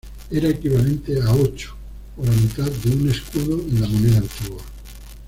Era equivalente a ocho o la mitad de un escudo en la moneda antigua.